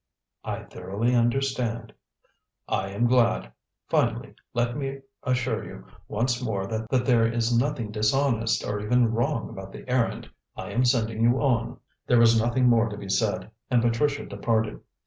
"I thoroughly understand." "I am glad. Finally, let me assure you once more that there is nothing dishonest or even wrong about the errand I am sending you on." There was nothing more to be said, and Patricia departed.